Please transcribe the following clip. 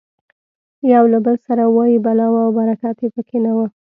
یو له بل سره وایي بلا وه او برکت یې پکې نه و.